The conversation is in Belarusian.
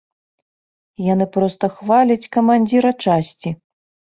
Яны проста хваляць камандзіра часці.